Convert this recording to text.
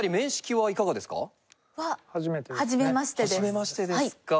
はじめましてですか。